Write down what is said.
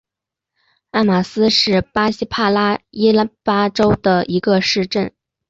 埃马斯是巴西帕拉伊巴州的一个市镇。